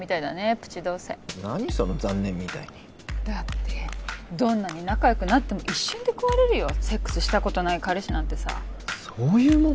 プチ同棲何その残念みたいにだってどんなに仲よくなっても一瞬で壊れるよセックスしたことない彼氏なんてさそういうもん？